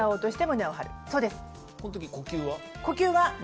このとき呼吸は？